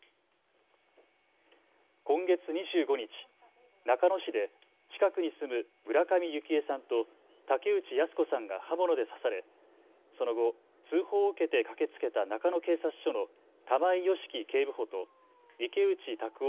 今月２５日、中野市で近くに住む村上幸枝さんと竹内靖子さんが刃物で刺され、その後、通報を受けて駆けつけた中野警察署の玉井良樹警部補と池内卓夫